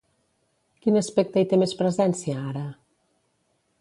Quin aspecte hi té més presència ara?